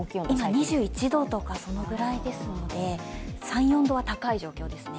今、２１度とかそのくらいですので、３４度は高い状況ですね。